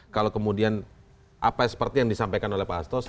kalau kemudian apa seperti yang disampaikan oleh pak astos